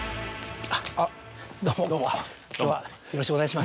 あっどうも今日はよろしくお願いします。